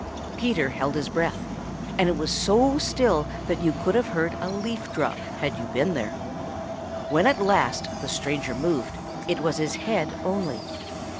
Peter held his breath, and it was so still that you could have heard a leaf drop had you been there. When at last the stranger moved, it was his head only.